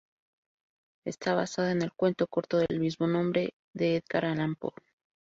Está basada en el cuento corto -del mismo nombre- de Edgar Allan Poe.